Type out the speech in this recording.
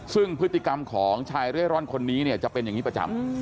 ซึ่งพฤติกรรมของชายเร่ร่อนคนนี้เนี่ยจะเป็นอย่างนี้ประจำ